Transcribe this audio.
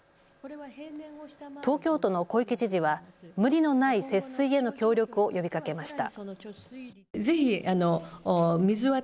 東京都の小池知事は無理のない節水への協力を呼びかけました。